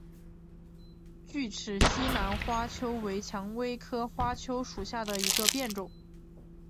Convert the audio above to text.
巨齿西南花楸为蔷薇科花楸属下的一个变种。